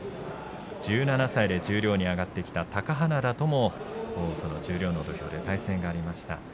１７歳で十両に上がってきた貴花田ともその十両の土俵で対戦がありました。